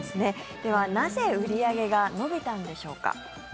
では、なぜ売り上げが伸びたんでしょうか。